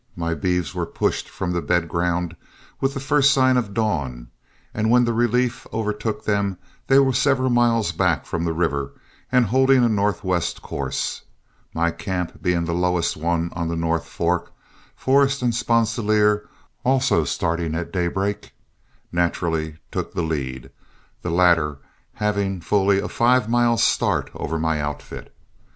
My beeves were pushed from the bed ground with the first sign of dawn, and when the relief overtook them, they were several miles back from the river and holding a northwest course. My camp being the lowest one on the North Fork, Forrest and Sponsilier, also starting at daybreak, naturally took the lead, the latter having fully a five mile start over my outfit.